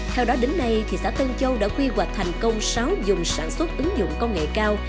theo đó đến nay xã tân châu đã quy hoạch thành công sáu dùng sản xuất ứng dụng công nghệ cao